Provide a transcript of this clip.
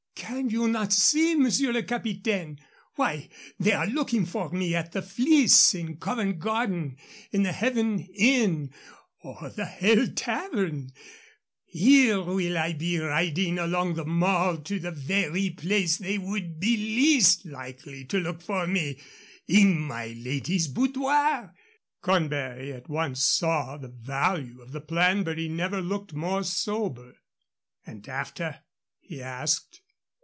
"Can you not see, Monsieur le Capitaine? While they are looking for me at the Fleece, in Covent Garden, in the Heaven Inn, or in the Hell Tavern, here will I be riding along the Mall to the very place they would be least likely to look for me in my lady's boudoir!" Cornbury at once saw the value of the plan, but he never looked more sober. "And after?" he asked.